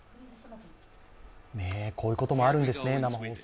こういうこともあるんですね、生放送。